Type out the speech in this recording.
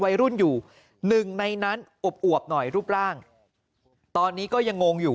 วัยรุ่นอยู่หนึ่งในนั้นอวบหน่อยรูปร่างตอนนี้ก็ยังงงอยู่